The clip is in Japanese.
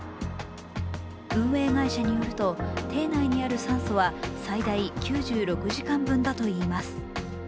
運営会社によると、艇内にある酸素は、最大９６時間分だといいます。